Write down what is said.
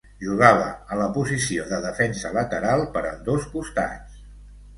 Jugava a la posició de defensa lateral per ambdós costats.